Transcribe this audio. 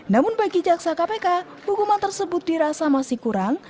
namun bagi jaksa kpk hukuman tersebut dirasa masih kurang